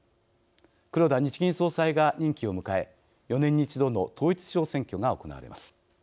黒田日銀総裁が任期を迎え４年に一度の統一地方選挙が行われます。